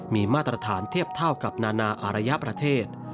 มีมาตรฐานเทียบเท่ากับนานาอารยประเทศ